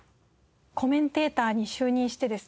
コメンテーターに就任してですね